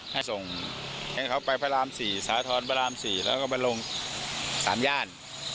ให้ส่งให้เขาไปพระราม๔สาธรณ์พระราม๔แล้วก็ไปลง๓ย่าน